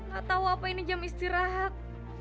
gak tahu apa ini jam istirahat